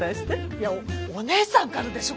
いやお姉さんからでしょ